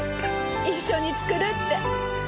一緒に作るって。